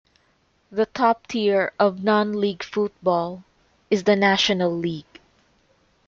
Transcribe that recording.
The top tier of non-League football is the National League.